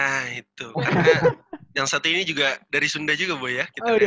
nah itu karena yang satu ini juga dari sunda juga bu ya